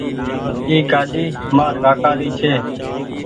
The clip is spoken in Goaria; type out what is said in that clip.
اي گآڏي مآر ڪآڪآ ري ڇي